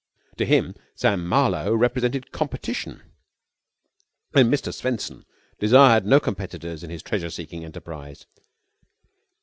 To him Sam Marlowe represented Competition, and Mr. Swenson desired no competitors in his treasure seeking enterprise.